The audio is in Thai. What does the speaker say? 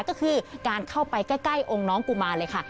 ก็คือการเข้าไปใกล้องค์น้องกุมารเลยค่ะ